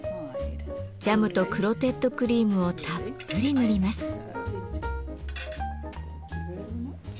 ジャムとクロテッドクリームをたっぷり塗ります。